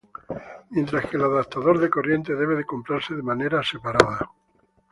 Mientras que el adaptador de corriente debe comprarse de manera separada.